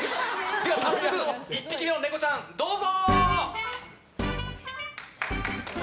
早速、１匹目のネコちゃんどうぞ！